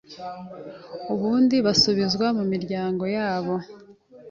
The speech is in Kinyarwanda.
ubundi basubizwa mu miryango yabo.